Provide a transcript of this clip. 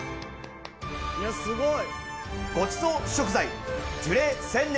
いやすごい。